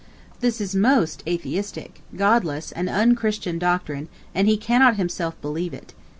This is most atheistic, godless, and un christian doctrine, and he cannot himself believe it.